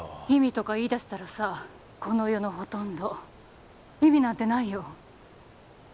意味とか言い出したらさこの世のほとんど意味なんてないよ